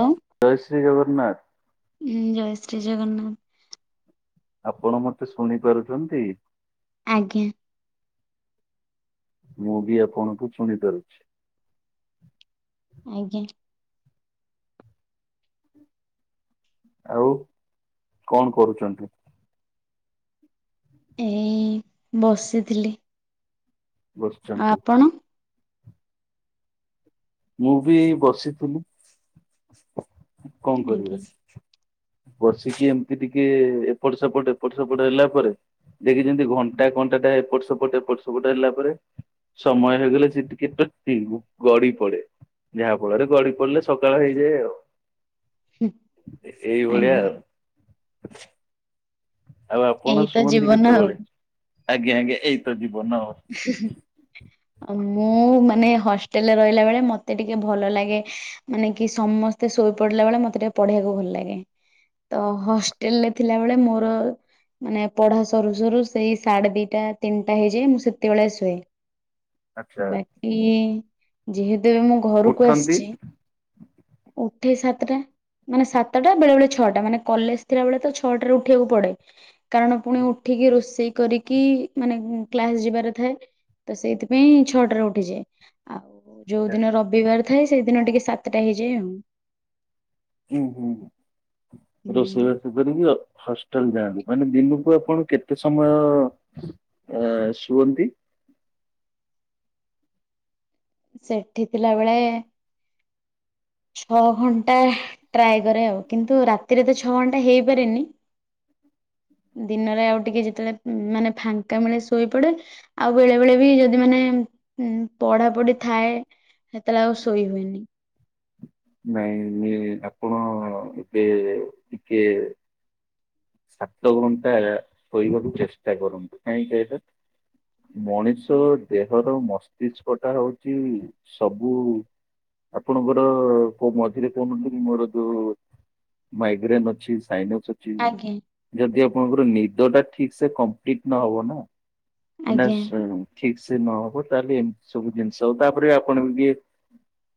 ଓ, ଉଁ, ଜୟ ଶ୍ରୀ ଜଗନ୍ନାଥ। ଜୟ ଶ୍ରୀ ଜଗନ୍ନାଥ। ଆପଣ ମତେ ଶୁଣି ପାରୁଚନ୍ତି? ଆଜ୍ଞା। ମୁଁ ବି ଆପଣଙ୍କୁ ଶୁଣିପାରୁଛି। ଆଜ୍ଞା। ଆଉ, କଣ କରୁଚନ୍ତି? ଏଇ, ବସିଥିଲି। ଆଉ ବସିଛନ୍ତି ଆପଣ? ମୁଁ ବି ଏଇ ବସିଥିଲି, କଣ ଆଜ୍ଞା କରିବା? ବସିକି ଏମିତି ଟିକେ, ଏପଟ ସେପଟ ଏପଟ ସେପଟ ହେଲା ପରେ ଦେଖି ଯେମିତି ଘଣ୍ଟା ଘଣ୍ଟାଟା, ଏପଟ ସେପଟ ଏପଟ ସେପଟ ହେଲାପରେ ସମୟ ହେଇଗଲେ, ସେଟିକେ ତୃପ୍ତି, ଗଡିପଡେ। ଯାହା ଫଳରେ ଗଡିପଡ଼ିଲେ, ସକାଳ ହେଇଯାଏ ଆଉ, ହୁଁ, ଏଇଭଳିଆ ଆଜ୍ଞା ଆଉ। ଆଉ ଆପଣ ଏଇ ତ ଶୁଅନ୍ତି ଜୀବନ ଆଉ କେତେବେଳେ? ଆଜ୍ଞା ଆଜ୍ଞା, ଏଇତ ଜୀବନ ଆଉ। [unintelligible] ମୁଁ, ମାନେ ହଷ୍ଟେଲରେ ରହିଲାବେଳେ, ମତେଟିକେ ଭଲଲାଗେ ମାନେ କି ସମସ୍ତେ ଶୋଇ ପଡିଲା ବେଳେ, ମତେ ଟିକେ ପଢିବାକୁ ଭଲ ଲାଗେ। ତ, ହଷ୍ଟେଲ ରେ ଥିଲାବେଳେ ମୋର ମାନେ ପଢା ସରୁ ସରୁ, ସେଇ ସାଢ଼େ ଦିଟା ତିନିଟା ହେଇଯାଏ, ମୁଁ ସେ ତେବେଳେ ଶୁଏ, ଆଚ୍ଛା ବାକି ଯେହେତୁବି ମୁଁ ଘରକୁ ଉଠନ୍ତି ଆସିଛି ଉଠେ ସାତଟା। ମାନେ ସାତଟା, ବେଳେ ବେଳେ ଛଅଟା, ମାନେ କଲେଜ ଥିଲା ବେଳେ ତ ଛଅଟାରେ ଉଠିବାକୁ ପଡେ। କାରଣ ପୁଣି ହୁଁ ଉଠିକି, ରୋଷେଇ କରିକି, ମାନେ କ୍ଲାସ ଯିବାର ଥାଏ। ତ, ସେଇଥିପାଇଁ ଛଅଟାରେ ଉଠିଯାଏ। ଆଉ ଯୋଉଦିନ ରବିବାର ଥାଏ, ସେଇଦିନ ଟିକେ ସାତଟା ହେଇଯାଏ ଆଉ। ହୁଁ ହୁଁ ହୁଁ, ରୋଷେଇ ବା [unintelligible] ହଷ୍ଟେଲ ଯାଆନ୍ତୁ, ମାନେ ଦିନକୁ ଆପଣ କେତେ ସମୟ ଆ ଶୁଅନ୍ତି? ସେଠି ଥିଲା ବେଳେ ଛଅ ଘଣ୍ଟା ଟ୍ରାଏ କରେ ଆଉ, କିନ୍ତୁ ରାତିରେ ତ ଛଅ ଘଣ୍ଟା ହେଇପାରେନି। ଦିନରେ ଆଉ ଟିକେ ଯେତେବେଳେ ମାନେ ଫାଙ୍କା ମିଳେ ଶୋଇପଡେ। ଆଉ ବେଳେ ବେଳେ ବି ଯଦି ମାନେ ପଢା ପଢି ଥାଏ ସେତେବେଳେ ଆଉ ଶୋଇ ହୁଏନି। ନାଇଁ ନ ଆପଣ ଏବେ ଟିକେ ସାତ ଘଣ୍ଟା ଶୋଇବାକୁ ଚେଷ୍ଟା କରନ୍ତୁ। କାହିଁକି କହିଲେ ମଣିଷ ଦେହର ମସ୍ତିଷ୍କ ଟା ହଉଚି ସବୁ ଆପଣଙ୍କର ମଝିରେ କହୁନଥିଲ କି ମୋର ଯୋଉ ମାଇଗ୍ରେନ୍ ଅଛି ସାଇନସ୍ ଅଛି ଆଜ୍ଞା ଯଦି ଆପଣଙ୍କର ନିଦ ଟା ଠିକ ସେ କମ୍ପ୍ଲିଟ ନହବ ନା ତାନେ ଆଜ୍ଞା ସେ ଠିକ ସେ ନହବ ତାହେଲେ ଏମିତି ସବୁ ଜିନିଷ ତାପରେ ଆପଣ ବି ଟିକେ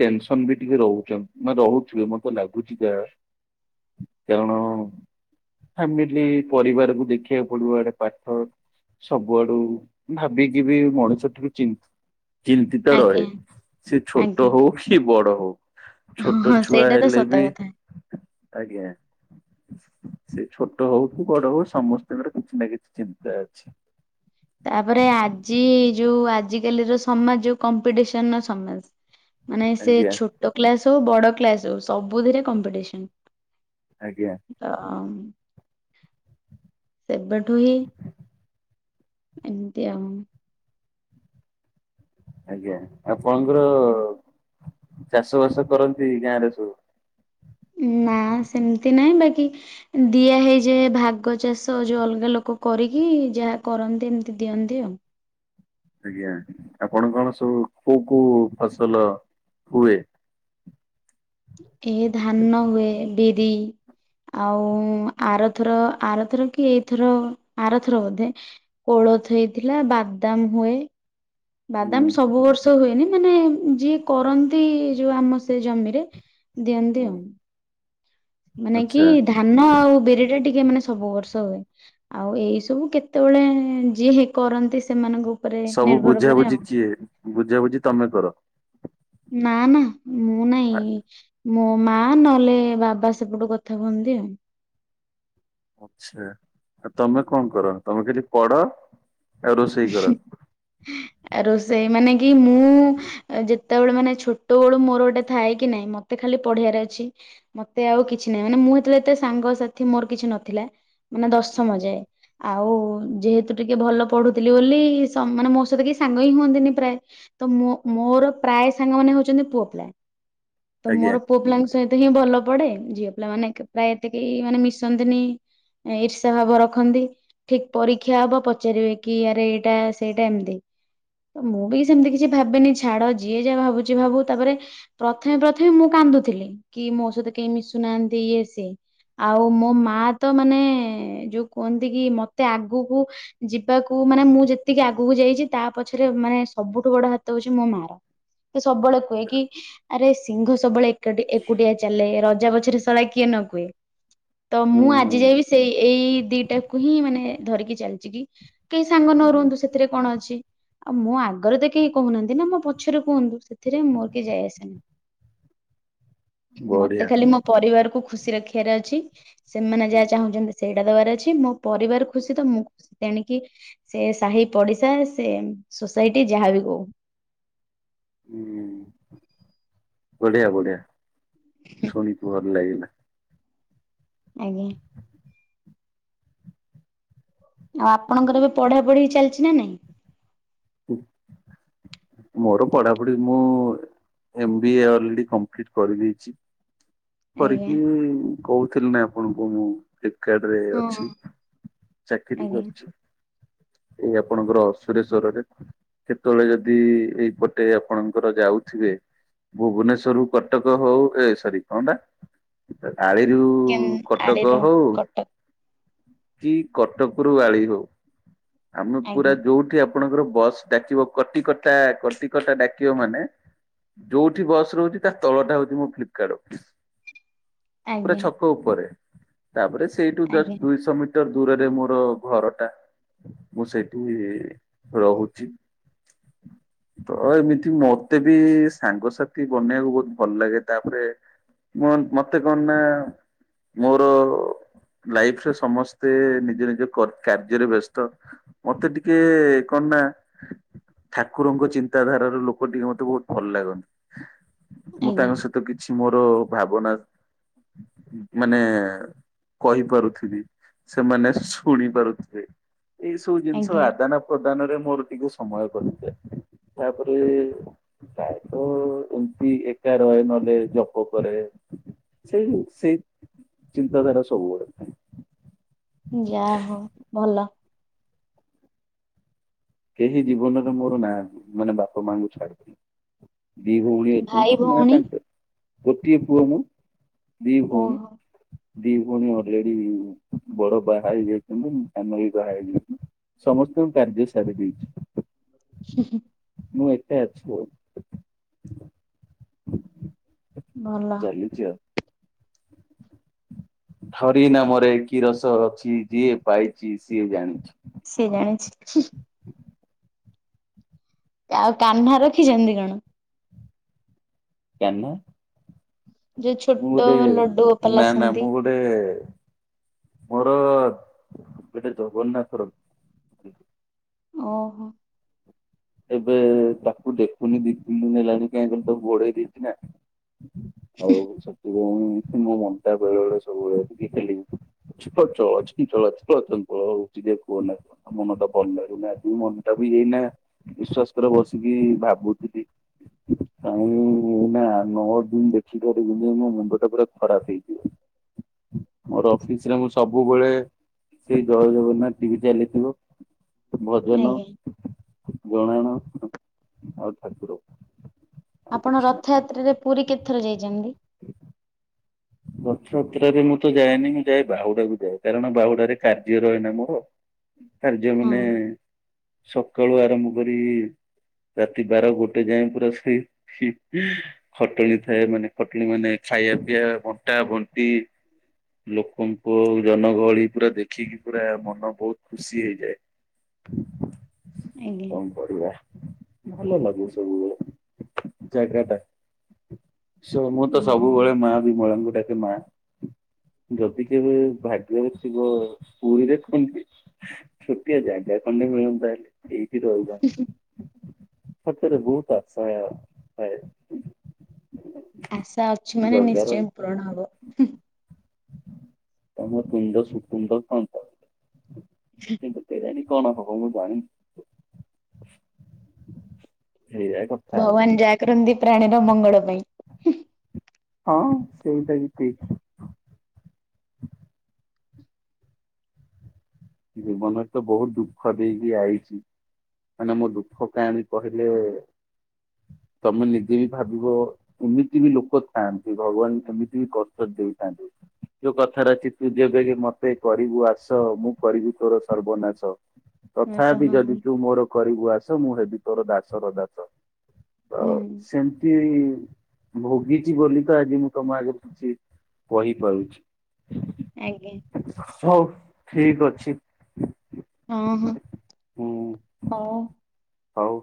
ଟେନସନ ବି ଟିକେ ରହୁଚନ ମାନେ ରହୁଥିବେ ମତେ ଲାଗୁଚି ଯାହା। କାରଣ ଫ୍ୟାମିଲି ପରିବାରକୁ ଦେଖିବାକୁ ପଡିବ ଆଡେ ପାଠ ସବୁଆଡୁ ଭାବିକି ବି ମଣିଷ ଟିକେ ଚିନ୍ ଚିନ୍ତିତ ରହେ ଆଜ୍ଞା ସେ ଆଜ୍ଞା ଛୋଟ ହଉ କି ବଡ ହଉ। ହଁ ଛୋଟ ହଁ ଛୁଆ ସେଇଟା ତ ହେଲେ ସତ ବି କଥା। ଆଜ୍ଞା। ସେ ଛୋଟ ହଉ କି ବଡ ହଉ ସମସ୍ତଙ୍କର କିଛି ନା କିଛି ଚିନ୍ତା ଅଛି। ତାପରେ ଆଜି ଯୋଉ ଆଜିକାଲିର ସମାଜ ଯୋଉ କମ୍ପିଟିସନ ର ସମାଜ। ମାନେ ସେ ଆଜ୍ଞା। ଛୋଟ କ୍ଲାସ ହଉ ବଡ କ୍ଲାସ ହଉ ସବୁଥିରେ କମ୍ପିଟିସନ। ଆଜ୍ଞା। ତ ଅ ସେବେଠୁ ହିଁ ଏମିତି ଆଉ। ଆଜ୍ଞା ଆପଣଙ୍କର ଚାଷ ବାସ କରନ୍ତି ଗାଁ ରେ ସବୁ? ନା ସେମତି ନାହିଁ ବାକି ଦିଆ ହେଇଯାଏ ଭାଗ ଚାଷ ଯୋଉ ଅଲଗା ଲୋକ କରିକି ଯାହା କରନ୍ତି ଏମିତି ଦିଅନ୍ତି ଆଉ। ଆଜ୍ଞା। ଆପଣ କଣ ସବୁ କୋଉ କୋଉ ଫସଲ ହୁଏ? ଏ ଧାନ ହୁଏ ବିରି ଆଉ ଆରଥର ଆରଥର କି ଏଇଥର ଆରଥର ବୋଧେ କୋଳଥ ହେଇଥିଲା ବାଦାମ ହୁଏ। ହୁଁ ବାଦାମ ସବୁ ବର୍ଷ ହୁଏନି ମାନେ ଯିଏ କରନ୍ତି ଯୋଉ ଆମ ସେ ଜମିରେ ଦିଅନ୍ତି ହୁଁ। ଆଉ। ମାନେ କି ଆଚ୍ଛା ଧାନ ଆଉ ବିରି ଟା ଟିକେ ମାନେ ସବୁ ବର୍ଷ ହୁଏ। ଆଉ ଏଇ ସବୁ କେତେବେଳେ ଯିଏ ହେ କରନ୍ତି ସେମାନଙ୍କୁ ସବୁ ବୁଝ ବୁଝି କିଏ ବୁଝା ବୁଝି ତମେ କର? ନା ନା ମୁଁ ଆ- ନାଇଁ ମୋ ମା ନହେଲେ ବାବା ସେପଟୁ କଥା କୁହନ୍ତି ଆଉ। ଆଛା ଆ ତମେ କଣ କର? ତମେ ଖାଲି ପଢ ଆଉ ରୋଷେଇ କର। ରୋସେଇ ମାନେ କି ମୁଁ ଯେତେବେଳେ ମାନେ ଛୋଟବେଳୁ ମୋର ଗୋଟେ ଥାଏ କି ନାହିଁ, ମତେ ଖାଲି ପଢିବାରେ ଅଛି। ମତେ ଆଉ କିଛି ନାହିଁ, ମାନେ ମୁଁ ହେତେଳେ ଏତେ ସାଙ୍ଗସାଥି ମୋର କିଛି ନଥିଲା। ମାନେ ଦଶମ ଯାଏ। ଆଉ ଯେହେତୁ ଟିକେ ଭଲ ପଢୁ ଥିଲ ବୋଲି ସ ମାନେ ମୋ ସହିତ କେହି ସାଙ୍ଗ ହିଁ ହୁଅନ୍ତିନି ପ୍ରାୟ। ତ ମୋ ମୋର ପ୍ରାୟ ସାଙ୍ଗ ମାନେ ହଉଚନ୍ତି ପୁଅପିଲା। ତ ଆଜ୍ଞା ମୋର ପୁଅ ପିଲାଙ୍କ ସ ହିତ ହିଁ ଭଲ ପଡେ। ଝିଅ ପିଲା ମାନେ ଏକ ପ୍ରାୟ ଏତେ କେହି ମାନେ ମିଶନ୍ତିନି ଇର୍ଷା ଭାବ ରଖନ୍ତି, ଠିକ ପରୀକ୍ଷା ହବ ପଚାରିବେ। କି ଆରେ ଏଇଟା ସେଇଟା ଏମତି। ମୁଁ ବି ସେମିତି କିଛି ଭାବେନି, ଛାଡ ଯିଏ ଯାହା ଭାବୁଛି ଭାବୁ। ତାପରେ ପ୍ରଥମେ ପ୍ରଥମେ ମୁଁ କାନ୍ଦୁଥିଲି, କି ମୋ ସହିତ କେହି ମିଶୁ ନାହାଁନ୍ତି ଇଏ ସିଏ। ଆଉ ମୋ ମା ତ ମାନେ ଯୋଉ କୁହନ୍ତି କି ମତେ ଆଗକୁ ଯି ଯିବାକୁ ମାନେ ମୁଁ ଯେତିକି ଆଗକୁ ଯାଇଛି ତା ପଛରେ ମାନେ ସବୁଠୁ ବଡ ହାତ ହଉଛି ମୋ ମା ର। ସେ ସବୁବେଳେ କୁହେ କି ଆରେ ସିଂଘ ସବୁବେଳେ ଏକାଟି ଏକୁଟିଆ ଚାଲେ, ରଜା ପଛରେ ସଳା କିଏ ନ କୁହେ। ତ ହୁଁ ମୁଁ ହୁଁ ଆଜି ଯାଏ ବି ସେଇ ଏଇ ଦିଟାକୁ ହିଁ ମାନେ ଧରିକି ଚାଲିଛି କି କେହି ସାଙ୍ଗ ନ ହୁଁ ରୁହନ୍ତୁ ସେଥିରେ କଣ ଅଛି। ଆଉ ମୋ ଆଗରେ ତ କେହି କହୁନାହାନ୍ତି ନା ମୋ ପଛରେ କୁହନ୍ତୁ, ସେଥିରେ ମୋର କେହି ଯାଏ ଆସେନାହିଁ। ମତେ ବଢିଆ। ଖାଲି ମୋ ପରିବାରକୁ ଖୁସି ରଖିବାର ଅଛି। ସେମାନେ ଯାହା ଚାହୁଁଛନ୍ତି ସେଇଟା ଦବାର ଅଛି, ମୋ ପରିବାର ଖୁସି ତ ମୁଁ ଖୁସି ତେଣି କି ସେ ସାହି ପଡିଶା ସେ ସୋସାଇଟି ଯାହାବି କୋହୁ। ହୁଁ ବଢିଆ ବଢିଆ, ଶୁଣି ଭଲ ଲାଗିଲା। ଆଞା। ଆଉ ଆପଣଙ୍କର ଏବେ ପଢା ପଢି ଚାଲିଛି, ନା ନାଇଁ? ମୋର ପଢାପଢି, ମୁଁ ଏମବିଏ ଅଲରେଡି କମ୍ପ୍ଲିଟ କରିଦେଇଛି। ଆଜ୍ଞା କରିକି କହୁଥିଲି ନା ଆପଣଙ୍କୁ ମୁଁ। ଫ୍ଲିପକାର୍ଡ ରେ ହଁ ଅଛି, ଚାକିରି ଆଜ୍ଞା। କରିଛି। ଏଇ ଆପଣଙ୍କର ସୁରେଶ୍ଵରରେ। କେତେବେଳେ ଯଦି ଏଇପଟେ ଆପଣଙ୍କର ଯାଉଥିବେ ଭୁବନେଶ୍ଵର ରୁ କଟକ ହଉ, ଏ ସରି କଣ ଟା? ଆଳିରୁ କେନ୍ କଟକ ଆଳିର ହଉ କଟକ କି କଟକରୁ ଆଳି ହଉ, ଆମେ ଆଜ୍ଞା ପୁରା ଯୋଉଠି ଆପଣଙ୍କର ବସ୍ ଡାକିବ କଟିକଟା, କଟିକଟା ଡାକିବ ମାନେ ଯୋଉଠି ବସ ରହୁଛି ତା ତଳଟା ହଉଛି ମୋ ଫ୍ଲିପକାର୍ଟ ଅଫିସ। ପୁରା ଆଜ୍ଞା ଛକ ଉପରେ। ତାପରେ ସେଇଠୁ ଜଷ୍ଟ ଆଜ୍ଞା। ଦୁଇଶହ ମିଟର ଟର ଦୂରରେ ମୋର ଘର ଟା। ମୁଁ ସେଇଠି ରହୁ ଛି ତ ଏମିତି ମତେ ବି ସାଙ୍ଗସାଥି ବନେଇବାକୁ ବହୁତ ଭଲ ଲାଗେ। ତାପରେ ମନ ମତେ କଣ ନା ମୋର ଲାଇଫରେ ସମସ୍ତେ ନିଜ ନିଜ କ-କାର୍ଯ୍ୟରେ ବ୍ୟସ୍ତ। ମତେ ଟିକେ କଣ ନା ଠାକୁରଙ୍କ ଚିନ୍ତାଧାରାର ଲୋକ ଟିକେ ମତେ ବହୁତ ଭଲ ଲାଗନ୍ତି। ମୁଁ ଆଜ୍ଞା ତାଙ୍କ ସ ତ କିଛି ମୋର ଭାବନା, ମାନେ କହିପାରୁଥିବି ସେମାନେ ଶୁଣି ପାରୁଥିବେ, ଏଇ ସୁ ସବୁ ଜିନିଷ ଆଜ୍ଞା ଆଦାନ ପ୍ରଦାନରେ ମୋର ଟିକେ ସମୟ କରିଥାଏ, ତାପରେ ପ୍ରାୟ ତ ଏମତି ଏକା ରହେ ନହଲେ ଜପ କରେ। ସେଇ ସେଇ ଚିନ୍ତାଧାରା ସବୁବେଳେ ଥାଏ। ଯାହା ହଉ ଭଲ। କେହି ଜୀବନରେ ମୋର ନାହାନ୍ତି। ମାନେ ବାପା ମାଙ୍କୁ ଛାଡିକି। ଦି ଭଉଣି ଭାଇ ଭଉଣୀ [unintelligible] ଗୋଟିଏ ପୁଅ ମୁଁ। ଦି ଭଉଣି। ଓହୋ ଦି ଭଉଣୀ ଅଲରେଡି ବଡ ବାହା ହେଇ ଯାଇଛନ୍ତି ସାନ ବି ବାହା ହେଇ ଯାଇଛନ୍ତି। ସମସ୍ତଙ୍କ କାର୍ଯ୍ୟ ସାରି ଦେଇଛି। ହୁଁ ହୁଁ। ମୁଁ ଏକା ଅଛି ବ ଭଲ। ନିଜ? ହରି ନାମରେ କି ରସ ଅଛି। ଯିଏ ପାଇଚି ସିଏ ଜାଣିଛି। ସିଏ ଜାଣିଛି। ହିଁହିଁ। ଆଉ କାହ୍ନା ରଖିଛନ୍ତି କଣ? କାହ୍ନା? ଯୋଉ ମୁଁ ଛୋଟ ଗୋଟେ ଲଡୁ ଗୋପାଲ ନା ନା ଆସନ୍ତି ମୁଁ ଗୋ ଗୋଟେ ମୋର ଗୋଟେ ଜଗନ୍ନାଥ ରଖ୍ ଓହୋ। ଏବେ ତାକୁ ଦେଖୁନି ଦି ତିନି ଦିନ ହେଲାଣିି କାହିଁକ ତାକୁ ବୋଡେଇ ଦେଇଛି ନା। ଆଉ ସେଥି ପାଇଁ ମୋ ମନ୍‌ଟା ବେଳେ ସବୁବେଳେ ଏମିତି ଖାଲି ହେଉଥି ବୁଝିପାରୁଛ [unintelligible] କଅନା। ମନ ତ [unintelligible] ଆଜି ମନଟାକୁ ବି ଏଇନା ବିଶ୍ୱାସ କର ବସିକି ଭାବୁଥିଲି। କହିଁ ଏ ହିନା ନଅ ଦିନ ଦେଖିପାରିବିନି ମୋ ମୁଣ୍ଡ ଟା ପୁରା ଖରାପ ହେଇଯିବ। ମୋର ଅଫିସ୍‌ରେ ମୁଁ ସବୁବେଳେ ସେଇ ଜଅ ଜଗନ୍ନାଥ ଟି ଭି ଚାଲିଥିବ ଭଜନ ଆଜ୍ଞା ଜଣାନ। ଆଉ ଠାକୁର। ଆଉ ଆପଣ କିଛି ନାହିଁ। ରଥଯାତ୍ରାରେ ପୁରୀ କେତେଥର ଯାଇଛନ୍ତି? ରଥଯାତ୍ରାରେ ମୁଁ ତ ଯାଏନି। ମୁଁ ଯାଏ ବାହୁଡାକୁ ଯାଏ କାରଣ ବାହୁଡାରେ କାର୍ଯ୍ୟ ରହେ ନା ମୋର। କାର୍ଯ୍ୟ ହଁ ମାନେ ସକାଳୁ ଆରମ୍ଭ କରି ରାତି ବାର ଗୋଟେ ଯାଏଁ ପୁରା ସେଇ ହିଁ ହି ଖଟଣି ଥାଏ ମାନେ ଖଟଣି ମାନେ ଖାଇବା ପିଇବା ବଣ୍ଟ ଟା ବଣ୍ଟି ଲୋକଙ୍କ ଜନଗହଳି ପୁରା ଦେଖିକି ପୁରା ମନ ବହୁତ ଖୁସି ହେଇଯାଏ। ଆଜ୍ଞା। ପଢିବା ଭଲ ଲାଗୁଛି ସବୁବେଳେ ଜାଗାଟା। ଶୁଣ ମୁଁ ତ ହଁ ସବୁବେଳେ ମାଆ ବିମଳାଙ୍କୁ ଡାକେ ମା। ଯଦି କେବେ ଭାଗ୍ୟରେ ଥିବ ପୁରୀ ଦେଖନ୍ତି। ଛୋଟିଆ ଜାଗା ଖଣ୍ଡେ ମିଳନ୍ତା ହେଲେ ଏଇଠି ରହି ଯାଆନ୍ତି। ସତରେ ଭହୁତ ଆଶା ଥାଏ। ଆଶା ଅଛି ମାନେ ଜଗାର ନିଶ୍ଚୟ ପୂରଣ ହବ। ତୁମ ତୁଣ୍ଡ ସୁତୁଣ୍ତ ହୋନ୍ତା [unintelligible] କେଜାଣି କଣ ହବ ମୁଁ ଜାଣି ପା ହେଇଆ କ ଭଗବାନ ଜା କରନ୍ତି ପ୍ରାଣୀର ମଙ୍ଗଳ ପାଇଁ। ହଁ ସେଇଟା ବି ଠିକ୍। ଜୀବନ ତ ବହୁତ ଦୁଃଖ ଦେଇକି ଆଇଛି। ମାନେ ମୋ ଦୁଃଖ କାହାଣୀ କହିଲେ ତମେ ନିଜେ ବି ଭାବିବ ଏମିତି ବି ଲୋକ ଥାଆନ୍ତି। ଭଗବାନ କେମିତି ବି କସ୍ଟ ଦେଇଥାନ୍ତି। ଯୋଉ କଥାରେ ଅଛି ତୁ ଯେବେକ ମତେ କରିବୁ ଆସ ମୁଁ କରିବୁ ତୋର ସର୍ବନାଶ। ଆସ ତଥାପି ହଁ ହୁଁ ଯଦି ତୁ ମୋର କରିବୁ ଆସ ମୁଁ ହେବି ତୋର ଦାସର ଦାସ। ତ ସେମି ଭୋଗିଛି ବୋଲି ତ ଆଜି ମୁଁ ତମ ଆଗରେ କିଛି କହି ପାରୁଛି। ଆଜ୍ଞା। ହଉ ଠିକ ଅଛି। ହଁ ହଁ ହୁଁ ହଉ। ହଉ।